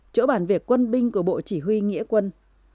chỗ bản việc quân binh của bộ chỉ huy nghĩa quân